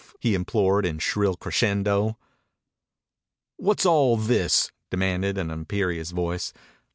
he implored in shrill crescendo. "What's all this?" demanded an imperious voice.